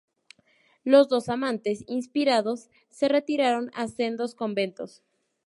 Los dos amantes, inspirados, se retiraron a sendos conventos.